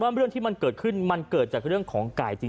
สาเหตุแล้วเอยเจอต้องการ